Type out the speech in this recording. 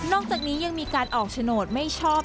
จากนี้ยังมีการออกโฉนดไม่ชอบ